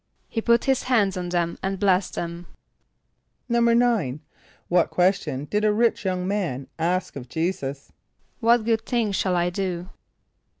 =He put his hands on them and blessed them.= =9.= What question did a rich young man ask of J[=e]´[s+]us? ="What good thing shall I do?"